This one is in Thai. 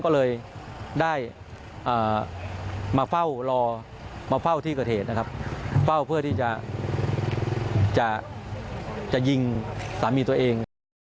ก็เลยได้มาเฝ้าที่เกิดเหตุเพื่อที่จะยิงสามีตัวเอง